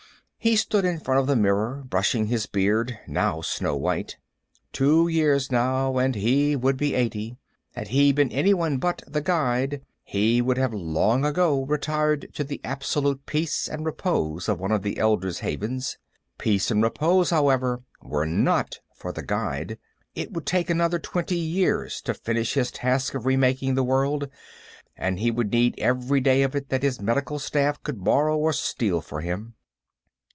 He stood in front of the mirror, brushing his beard, now snow white. Two years, now, and he would be eighty had he been anyone but The Guide, he would have long ago retired to the absolute peace and repose of one of the Elders' Havens. Peace and repose, however, were not for The Guide; it would take another twenty years to finish his task of remaking the world, and he would need every day of it that his medical staff could borrow or steal for him.